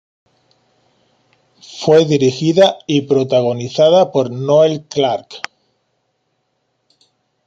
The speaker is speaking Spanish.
Fue dirigida y protagonizada por Noel Clarke.